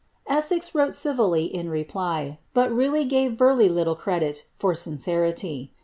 Essex wrote civilly in reply, but really gave Burleigh little credh for sincerity.